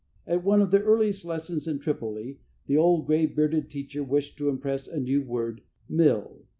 At one of the earliest lessons in Tripoli, the old, gray bearded teacher wished to impress a new word, "Milh."